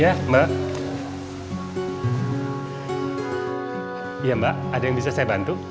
eh menurut u nanti